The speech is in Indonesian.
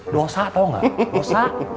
dosa tau gak dosa